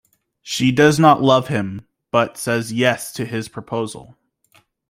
She does not love him but says yes to his proposal.